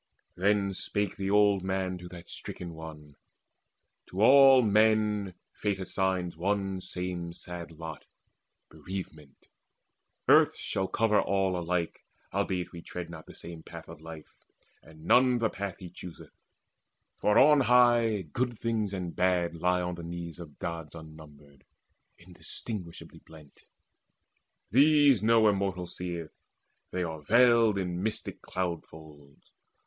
Then spake the old man to that stricken one: "To all men Fate assigns one same sad lot, Bereavement: earth shall cover all alike, Albeit we tread not the same path of life, And none the path he chooseth; for on high Good things and bad lie on the knees of Gods Unnumbered, indistinguishably blent. These no Immortal seeth; they are veiled In mystic cloud folds.